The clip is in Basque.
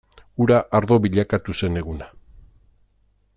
Ura ardo bilakatu zen eguna.